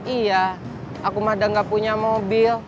iya aku mah dah gak punya mobil